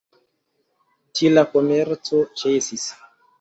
Tiel la komerco ĉesis.